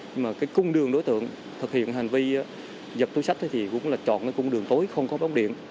nhưng mà cái cung đường đối tượng thực hiện hành vi giật túi sách thì cũng là chọn cái cung đường tối không có bóng điện